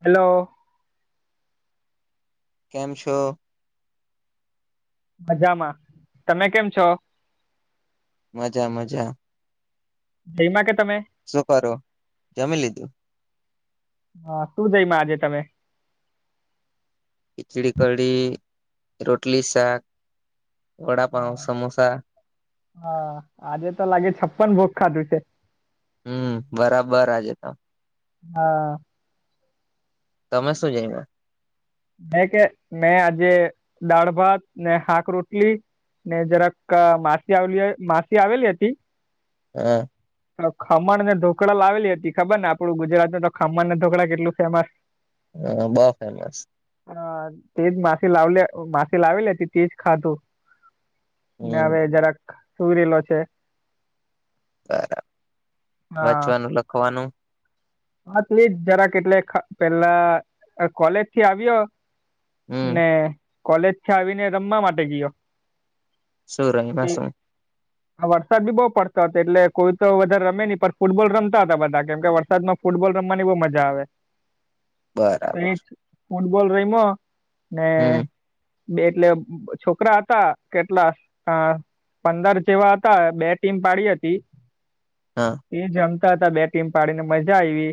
Hello. કેમ છો? મજામાં. તમે કેમ છો? મજા મજા જયમાં કે તમે? શું કરો? જમી લીધું. હા સુુ જમ્યા આજે તમે? ખિચડી કઢી, રોટલી શાક, વડાપાઉ, હા સમોસા હા આજે તો લાગે છપ્પન ભોગ ખાધું છે. હમ બરાબર આજે ત હા. તમે શું જયમા? મે કે મેં આજે દાળ ભાત ને હાક રોટલી ને જરાક માસી આવેલી માસી આવેલી હતી હ. તો ખમણ ને ઢોકડા લાવેલી હતી ખબર ને આપડું ગુજરાતમાં તો ખમણ ઢોકળા કેટલું ફેમસ હ બો ફેમસ હ તે જ માસી લાવલે માસી લાવેલી હતી તેજ ખાધુ ને હમ્મ હવે જરાક સુઈ રેલો છે. બરા હા વચવાનું લખવાનું [unintelligible] જરાક એટલે પેલા કોલેજ થી આવ્યો હમ્મ ને કોલેજથી આવીને રમવા માટે ગીય શું રયમાં શું? આ વરસાદ બી બો પડતો હતો એટલે કોઈ તો વધારે રમે ની પણ ફૂટબોલ રમતા હતા બધા કેમ કે વરસાદમા ફૂટબોલ રમવાની બો મજા આવે બરાબર. [unintelligible] ફૂટબોલ રમમો ને હમ્મ બે એટલે છોકરા હતા કેટલા આ પંદર જેવા હતા બે ટીમ પાડી હતી હા. એ જમતા હતા બે ટીમ પાડીને મજા આયવી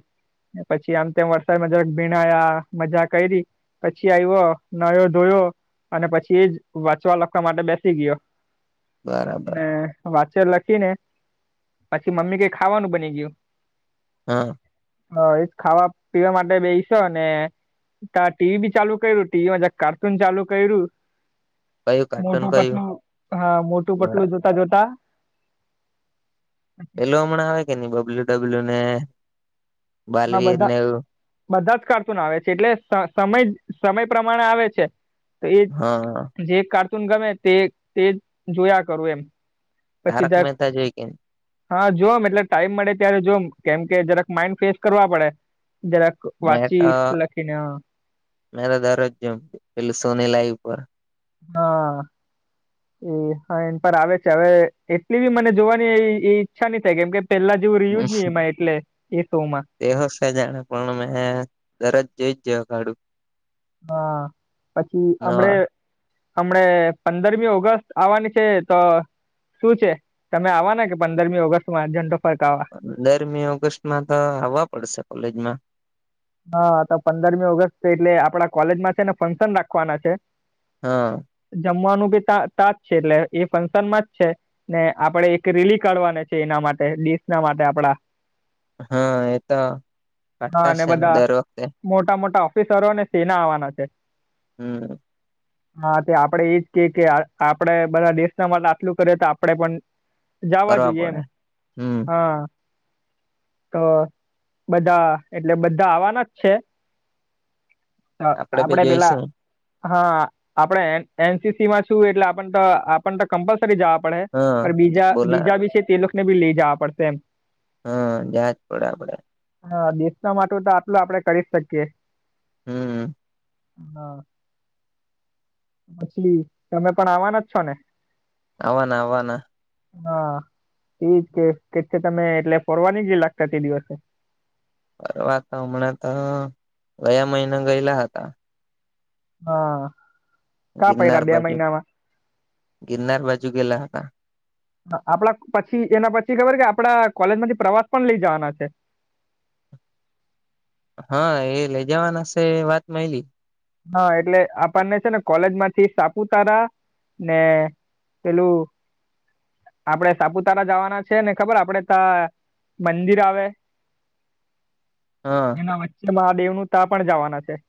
પછી આમ તેમ વરસાદમાં જરાક ભીનાયા મજા કયરી પછી આયવ નાયો ધોયો અને પછી એ જ વાંચવા લખવા માટે બેસી ગયો બરાબર. ને વાચર લખી ને પછી મમ્મી કેઈ ખાવાનું બની ગયું હા. હ એજ ખાવા પીવા માટે બેયશો ને તા ટીવી બી ચાલુ કર્યું ટીવીમાં જક કાર્ટૂન ચાલુ કર્યું કયું કાર્ટૂન મોટું કયું? પટલું હા મોટું બરા પટલું જો તા જો તા હમણાં આવે કે ની બબલ્યુ ડબલ્યુ ને હા બાલવીર બધા નેવું? બધા જ કાર્ટુન આવે છે, એટલે સ સમય સમય પ્રમાણે આવે છે, એ હા જે કાર્ટૂન ગમે તે તે જોયા કરું એમ પછી તારક જરાક મહેતા જોઈ કે હા જોમ એટલે ટાઈમ મળે ત્યારે જોમ કેમ કે જરાક માઇન્ડ ફ્રેશ કરવા પડે જરાક મે વાંચી તો લખીને હા મે તો દરરોજ જોમ પેલુ સોની લાઈવ પર અ એ હા એન પર આવે છે, હવે એટલી બી મને જોવાની એ ઈચ્છા નહીં થાય કેમ કે પેલા જેવું રહ્યું જ નહી એમાં એટલે એ સોમાં- તે હશે જાણે પણ મેં દરરોજ જોઈ જ જ્યો કાડું હા પછી હમડે નવા હમણે પંદરમી ઓગસ્ટ આવવાની છે. તો? શું છે, તમે આવા ને કે પંદરમી ઓગસ્ટમાં ઝંડો ફરકાવા પદરમી ઓગસ્ટમાં તો આવવા પડશે કોલેજમાં હા તો પંદરમી ઓગસ્ટ એટલે આપડા કોલેજમાં છે, ને ફંક્શન રાખવાના છે. હ. જમવાનું બી તા તાજ છે, એટલે એ ફંક્શનમાં જ છે. ને આપડે એક રેલી કાઢવાને છે, એના માટે દેશ ના માટે આપડા હા એ તો હા કટ્ટા અને છે ને બધા દર વખતે- મોટા મોટા ઓફિસરોને સેના આવવાના છે. હમ હા તે આપડે એજ કે કે આપણેે બધા દેશનામાં દાખલું કરે તો આપડે પણ જવા કરવા જોઈએ એમ પડે હમ હા તો બધા એટલે બધા આવવાના જ છે તો ભી આપડે પેલા જોઈશું હા આપડે એનસીસી માં છું એટલે આપણ તો આપણ તો કમ્પલ જવા પડે હા બીજા બોલા બીજા વિશે તે લોકોને બી લઈ જવા પડશે એમ હા જાવાજ પડે આપડે હા દેશના માટે તો આટલું આપડે કરી જ શકીએ. હમ હા માછલી તમે પણ આવવાના જ છો ને આવના આવના હા એજ કે કે છે તમે એટલે ફરવાની ગેલા તે દિવસે ફરવા તો હમણાં તો ગયા મહિના ગયેલા હતા હા કા ગિરનાર ફર્યા બે બાજુ મહિનામાં ગિરનાર બાજુ ગેલા હતા આપડા પછી એના પછી ખબર કે આપડા કોલેજ માંથી પ્રવાસ પણ લઈ જવાના છે. હા એ લઈ જવાના શે અ એ વાત મયલી હા એટલે આપણને છે ને કોલેજ માંથી સાપુતારા ને? હેલો. આપડે સાપુતારા જવાના છે ને ખબર આપડે ત્યા મંદિર આવે. હા. વચ્ચે મહાદેવ નું ત્યાં પણ જવાના છે.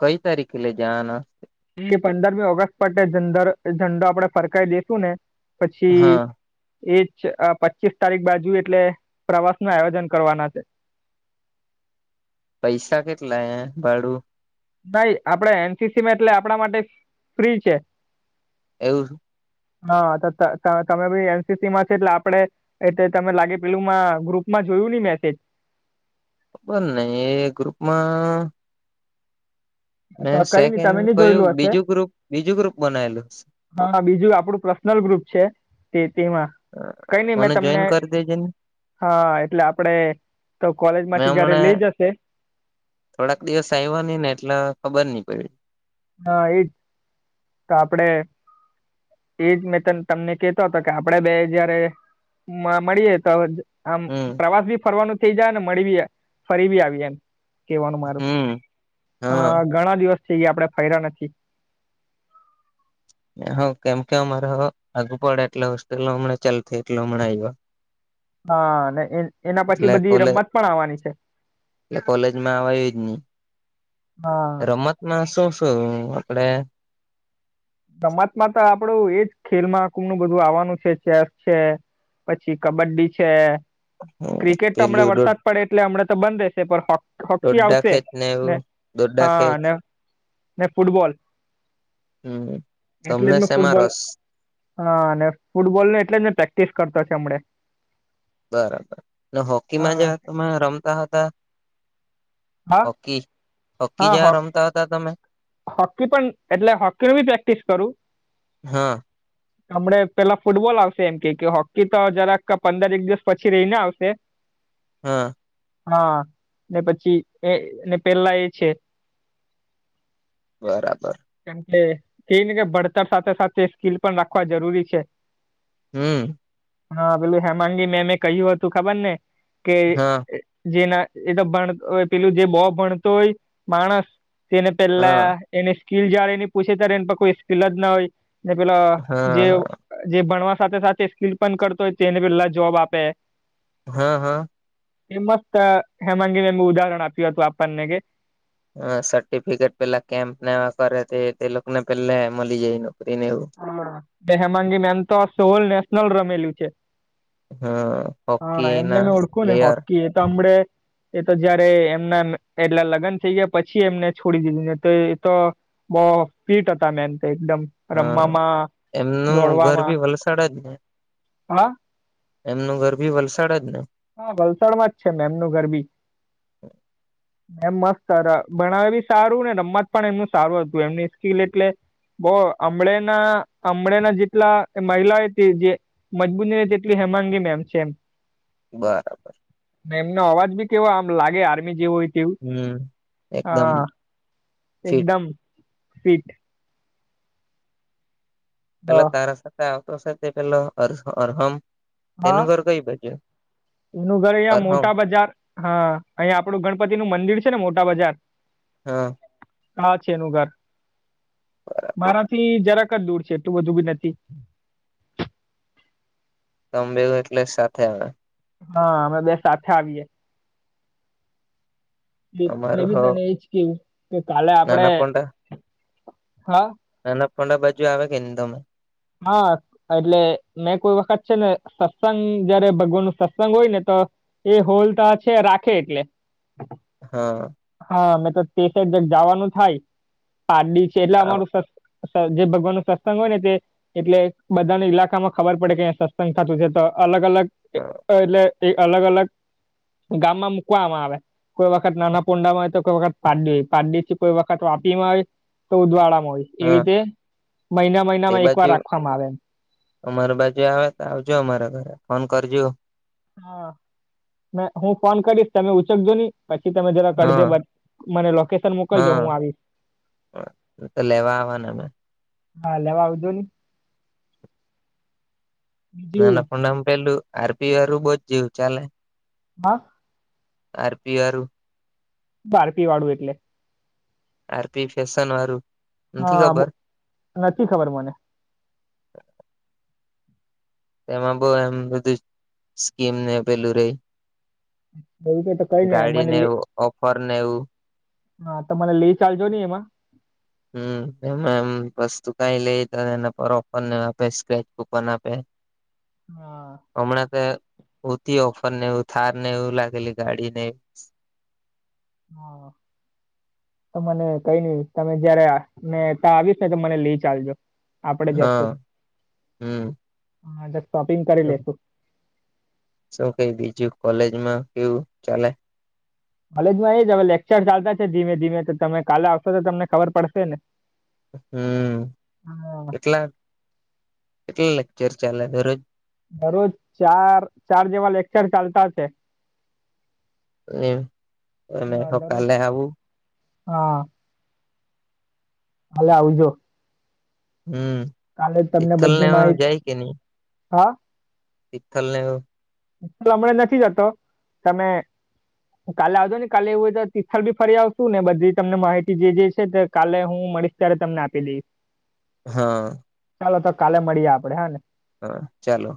કઈ તારીખે લ જના. પંદરમી ઓગસ્ટ માટે ઝર ઝંડો આપડે ફરકાઈ દેસું ને પછી. હા એજ પચીસ તારીખ બાજુ એટલે પ્રવાસ નું આયોજન કરવાના છે. પૈસા કેટલા એ ભાડું. નઈ આપડે એનસીસીમાં એટલે આપણા માટે ફ્રી છે. એવું. હા તમે બી એનસીસી માં છ એટલે આપડે. એટ તમે લાગે પેલું મા ગ્રુપ માં જોયું ને મેસેજ. બબર નહી એ ગ્રુપમાં. મે કઈ નઈ સેકન્ડ તમે નઈ કું જોયેલું હશે બીજું ગ્રુપ બીજું ગ્રુપ બનાવેલું. હા બીજું આપણું પર્સનલ ગ્રુપ છે. તે તેમાં કઈ નહી મેં મને તમને. જોઈન કરી દેજે ને હા એટલે આપડે તો કોલેજ મેં માંથી જયારે લઈ હમણાં જશે. થોડાક દિવસ આવ્યા ન ને એટલે ખબર નહિ પડી. હા એજ તો આપડે. એજ મેં ત તમને કતો હતો કે આપડે બે જયારે મળીએ તો. આમ હમ પ્રવાસ ભી ફરવાનું થઇ જાય ને મળી બી ફરી બી આવી એમ. કેવાનું મારું હમ હા ઘણા દિવસ થ આપડે ફરર્યા નથી. હ કેમ કે અમાર આગુ પડે એટલે હોસ્ટલ હમણા ચાલુ થઈ એટલે હમણા આવયા. [inaudible] હા અને એ એના પછી બધી કોલે રમત પણ આવવાની છે. એટલે કોલેજમાં આવવાયજ નહી. હા. રંમતમાં શું શું આપડે રમત માં તો આપડું એજ ખેલમાં કુમનું બધું આવવાનું છે ચેસ છે પછી કબડ્ડી છે ક્રિકેટ તો હમણાં પેલું વરસાદ પડે એટલે હમણા તો બંધ રહેશે પણ હો હોકી દોડા આવશે ખેંચ ને એવું દોડા ખેંચ હા ને ને ફૂટબોલ. હમ એટલે તમને જ મેં શેમાં ફૂટબોલ રસ? હા અને ફૂટબોલ નને એટલે જ ને પ્રેક્ટિસ કરતો છે હમણે. બરાબર હોકીમાં જે હા તમે રમતા હતા? હા હોકી હોકી હા હો જ્યાં રમતા હતા તમે? હોકી પણ એટલે હોકી ની બી પ્રેક્ટિસ કરું. [inaudible] હમણે પેલા ફૂટબોલ આવશે એમ કે કે હોકી તો જરાક પંદર એક દિવસ પછી રહીને આવશે. હા. હા ને પછી એ ને પેલા એ છે. બરાબર. કારકે એ ને કે ભણતા સાથે સાથે સ્કીલ પણ રાખવા જરૂરી છે. હમ. હા પેલું હેમાંગી મેમે કહ્યું હતું ખબર ને કે હા જેના એ તો ભણ પેલું જે બો ભણતો હોય માણસ તેને પેલા હા એની સ્કીિલ જય્યારે એની પૂછે ત્યારે એ પર કોઈ સ્કીિલ જ ના હોય ને પેલા જે હા જે ભણવા સાથે સાથે સ્કીલ પણ કરતો હોય તો તેને પેલા જોબ આપે. હા, હા. એ મસ્ત હેમનજીને એ ઉદાહરણ આપ્યું હતું આપણને કે હ સર્ટિફિકેટ પેલા કેમ્પ. એવા કરે તે તે લોકોને પેલા મળી જાય નોકરીને એવું. હેમાંગી મેમ તો સોલ નેશનલ રમેલી છે. હા હા હોકી એમને ના મેં ઓળખું ને પ્લેયર હોકી એ તો હડે એ તો જયારે એમના એટલા લગ્ન થઈ ગયા પછી એમને છોડી દીધું તો એ તો બહુ ફીટ હતા મેમ એકદમ રમવામાં દોડવામાં. વલસાડા જ ને. હા. એમનું ઘર ભી વલસાડ જ ને? હા વલસાડમાં જ છે મેમ એમનું ઘર બી. [inaudible] એમ મસ્ત ભણાવે બી સારું ને રમત પણ એમનું સારું હતું એમની સ્કીલ એટલે બહું હમળે ના હમળે ના જેટલા મહિલા હતી જે મજબૂતી તેટલી હેમાંગી મેમ છે એમ. બરાબર. મેમ્ અવાજ બી કેવો આમ લાગે આર્મી જેવો હોય. તેવું હમ એકદમ. હા ફિટ એકદમ ફીટ. હ પેલા તારા સાથે આવતો છે તે પેલો અરહમ હા તેનું ઘર કઈ બાજું? એનું ઘર અહિયાયા મોટા બજાર હા અહીંયા આપડું ગણપતિ નું મંદિર છે ને મોટા બજાર હા. હા છે એનું ઘર મારાથી જરાક દૂર છે એટલું બધું બી નથી. [unintelligible] એટલે સાથે આવે. હા અમે બે સાથે આવીએ. મેં અમારું હ બી તને એજ કેવું કે કાલે આપડે નાના પોંડા હા નાના પણડા બાજુ આવે કે ને તમે હા. એટલે મેં કોઈ વખત છે ને સત્સંગ જયારે ભગવાન નું સત્સંગ હોય ને તો એ હોલ તો છે રાખે એટલે. હા. હા મેં તો તે સાઈ જવાનું થાય આરડી છે એટલે અમારું સ અત્યારે જે ભગવાનનું સત્સંગ હોય ને તે એટલે બધાને ઈલાકામાં ખબર પડે કે સત્સંગ ખાતું છે તો અલગ અલગ એટલે એ અલગ અલગ ગામમાં મુકવામાં આવે. કોઈ વખત નાના પુંડા માં હોય તો કોઈ વખત પાડી હોય પાારડી કોઈ વખત વાપીમાં હોય તો ઉદવાળામાં હોય એવી હા રીતે મહિના મહિનામાં એક વાર રાખવામાં આવે એમ. અમાર બાજુ આવે તો આવજો અમારા ઘરે ફોન કરજો. હા મે હું ફોન કરીશ તમે ઉચકજો નહી. પછી તમે જરા કરડજે હા મને લોકેશન મોકલજો હા હું આવીશ. તો લેવા આવવાને અમે. હા લેવા આવજો ને બીજું નાનાકુંડામાં પેલું આરપી વારું બહુ જ જેવું ચાલે. હા. આરપી વાળુ બારપી વાળું એટલે? આરપી ફેશન વાડુ. હા નથી ખબર મને. એમાં બહું એમ બધું સ્કીમ ને પેલું રહી. એ તો કરીને ગાડી મને ને લે એવું ઓફર ને એવું હા ત મને લે ચાલજો ને એમાં. હમ્મ એમાં એમ વસ્તુ કઈ લઈ તો એના પર ઓપન આપે સ્કેચ કુપન આપે. [unintelligible] હા. હમણાં તો ઉતી ઓફર ને એવું થાર ને એવું લાગેલી ગાડી ને. હા. તો મને કઈ નઈ તમે જયારેને ત્યા આવીશ ને તો મને લઈ ચાલજો. આપણે જશું હા હમ્મ. હા શોપિંગ કરી લેેશું. શું કઈ બીજું કોલેજમાં કેવું ચાલે. કોલેજ માં એ જ હવે લેક્ચર ચાલતા છે ધીમે ધીમે તો તમે કાલે આવશો તો તમને ખબર પડશે ને. હમ્મ હા એટલા એટલા લેક્ચર ચાલે દરરોજ. દરરોજ ચાર ચાર જેવા લેક્ચર ચાલતા હશે. તમે હા દરરોજ સકાલે આવુ. હા. કાલે આવજો. હમ્મ. કાલે તમને બધી માહિત હા. શીખ ને હું. હમણા નથી જતો તમે. કાલે આવજો ને કાલે એવું હોય તો તિથલ બી ફરી આવશું ને બધી તમને માહિતી જે જે છે કાલે હું મળીશ. ત્યારે તમને આપી દઈશ. હા. ચાલો તો કાલે મળીએ આપડે હા ને. હા ચાલો.